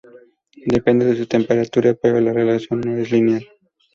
Depende de su temperatura, pero la relación no es lineal.